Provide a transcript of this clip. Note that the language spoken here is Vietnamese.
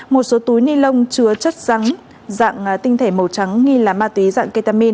một số túi ni lông chứa chất rắn dạng tinh thể màu trắng nghi là ma túy dạng ketamin